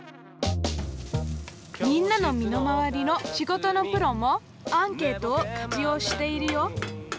みんなの身の回りの仕事のプロもアンケートを活用しているよ。